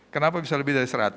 kenapa bisa lebih dari seratus